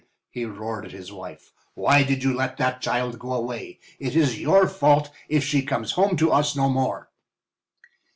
he roared at his wife, "why did you let that child go away? It is your fault if she comes home to us no more."